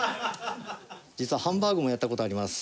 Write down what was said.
実はハンバーグもやった事あります。